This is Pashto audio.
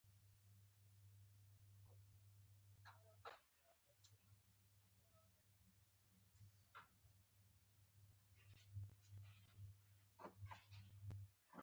د پیتالوژي علم د درملنې بنسټ دی.